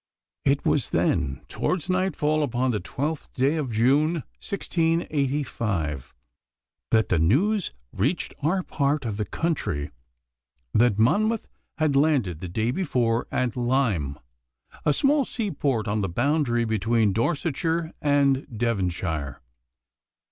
It was, then, towards nightfall upon the twelfth day of June 1685 that the news reached our part of the country that Monmouth had landed the day before at Lyme, a small seaport on the boundary between Dorsetshire and Devonshire.